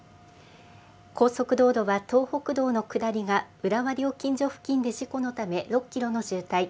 高速道路は東北道の下りが浦和料金所付近の事故のため６キロの渋滞。